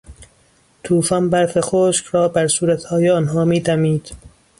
توفان، برف خشک را بر صورتهای آنها میدمید.